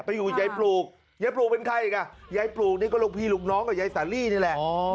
อยู่ยายปลูกยายปลูกเป็นใครอีกอ่ะยายปลูกนี่ก็ลูกพี่ลูกน้องกับยายสาลีนี่แหละ